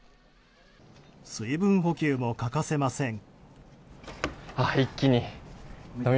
水分補給も欠かせません。